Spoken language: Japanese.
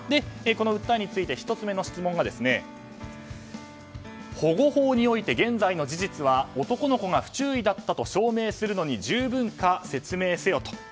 この訴えについて１つ目の質問が保護法において現在の事実は男の子が不注意だったと証明するのに十分か説明せよと。